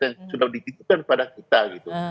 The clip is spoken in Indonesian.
yang sudah dihitungkan pada kita gitu